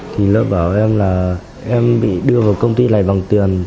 thì lỡ bảo em là em bị đưa vào công ty này bằng tiền